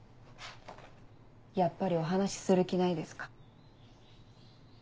やっぱりお話しする気ないですか？